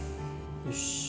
よし。